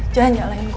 jangan jalanin gue